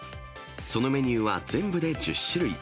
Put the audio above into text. そのメニューは全部で１０種類。